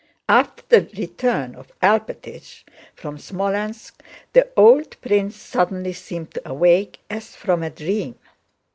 After the return of Alpátych from Smolénsk the old prince suddenly seemed to awake as from a dream.